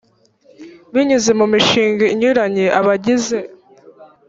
binyuze mu mishinga inyuranye abagize